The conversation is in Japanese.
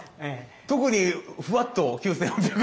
特にふわっと９，８００円。